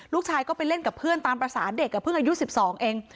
ลูกชายก็ไปเล่นกับเพื่อนตามประสาทเด็กกับพึ่งอายุสิบสองเอง